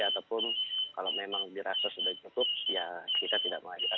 ataupun kalau memang dirasa sudah cukup ya kita tidak mengajukan